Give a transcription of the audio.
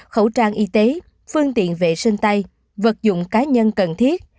khẩu trang y tế phương tiện vệ sinh tay vật dụng cá nhân cần thiết